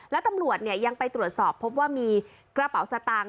แล้วตำรวจยังไปตรวจสอบพบว่ามีกระเป๋าสตางค์